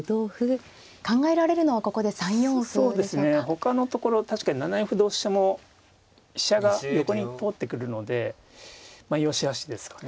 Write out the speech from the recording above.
ほかのところ確かに７四歩同飛車も飛車が横に通ってくるのでまあ善しあしですかね。